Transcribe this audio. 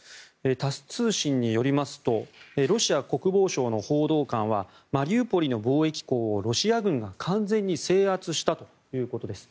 タス通信によりますとロシア国防省の報道官はマリウポリの貿易港をロシア軍が完全に制圧したということです。